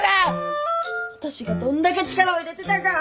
私がどんだけ力を入れてたか！